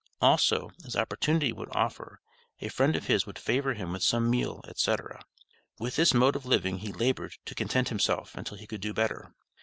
Also, as opportunity would offer, a friend of his would favor him with some meal, etc. With this mode of living he labored to content himself until he could do better.